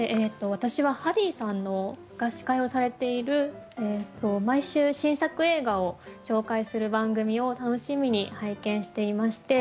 私はハリーさんが司会をされている毎週新作映画を紹介する番組を楽しみに拝見していまして。